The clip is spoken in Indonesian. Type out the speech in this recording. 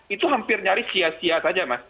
itu hampir nyaris sia sia saja mas